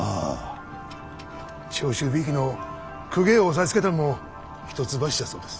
長州びいきの公家を押さえつけたんも一橋じゃそうです。